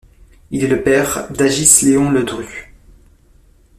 Il est le père d'Agis-Léon Ledru.